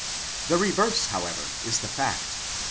The reverse, however, is. the fact.